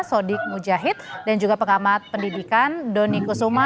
sodik mujahid dan juga pengamat pendidikan doni kusuma